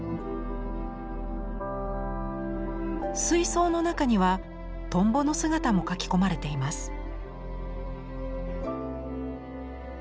水槽の中にはトンボの姿も描き込まれています。